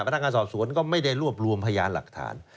พนักงานสอบสวนก็ไม่ได้รวบรวมพยานหลักฐาน